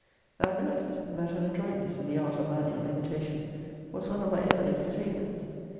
Thou knowest, that an adroitness in the art of manual imitation, was one of my earliest attainments.